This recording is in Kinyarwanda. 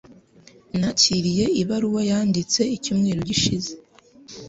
Nakiriye ibaruwa yanditse icyumweru gishize.